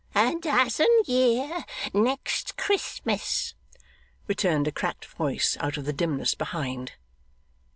'A dozen year next Christmas,' returned a cracked voice out of the dimness behind.